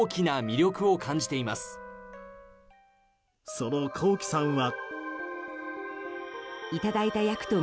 そのＫｏｋｉ，さんは。